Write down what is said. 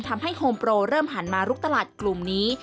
ทำให้โฮมโปรเริ่มหันมาลุกตลาดกลุ่มนี้